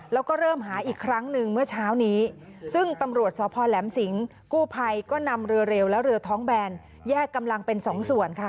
แล้วก็เริ่มหาอีกครั้งหนึ่งเมื่อเช้านี้ซึ่งตำรวจสพแหลมสิงกู้ภัยก็นำเรือเร็วและเรือท้องแบนแยกกำลังเป็นสองส่วนค่ะ